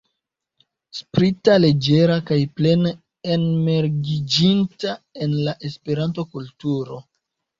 Sprita, leĝera kaj plene enmergiĝinta en la Esperanto-kulturo.